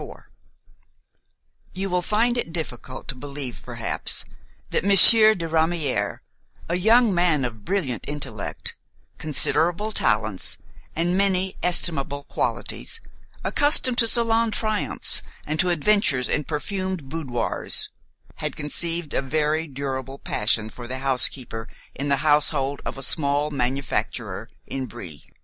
IV You will find it difficult to believe perhaps that Monsieur de Ramière, a young man of brilliant intellect, considerable talents and many estimable qualities, accustomed to salon triumphs and to adventures in perfumed boudoirs, had conceived a very durable passion for the housekeeper in the household of a small manufacturer in Brie.